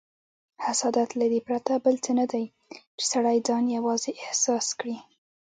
حسادت له دې پرته بل څه نه دی، چې سړی ځان یوازې احساس کړي.